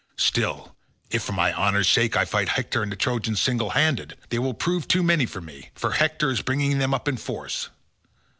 Still if for my honour's sake I fight Hector and the Trojans single handed, they will prove too many for me, for Hector is bringing them up in force.